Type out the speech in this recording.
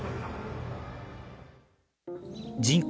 人口